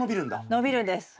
伸びるんです。